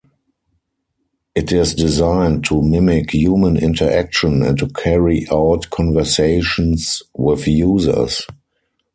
It is designed to mimic human interaction and to carry out conversations with users.